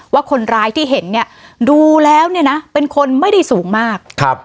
ว่าคนร้ายที่เห็นเนี่ยดูแล้วเนี่ยนะเป็นคนไม่ได้สูงมากครับ